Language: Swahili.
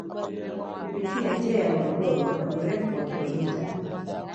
kupitia njia ya Morogoro kuna urefu wa kilomita